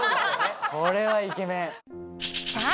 これはイケメンさあ